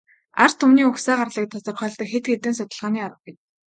Ард түмний угсаа гарлыг тодорхойлдог хэд хэдэн судалгааны арга бий.